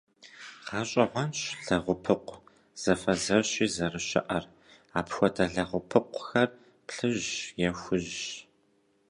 Гъэщӏэгъуэнщ лэгъупыкъу зэфэзэщи зэрыщыӏэр, апхуэдэ лэгъупыкъухэр плъыжьщ е хужьщ.